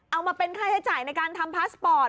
เอามาเป็นค่าใช้จ่ายในการทำพาสปอร์ต